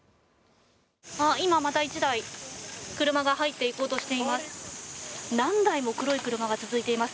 今、また１台車が入っていこうとしています。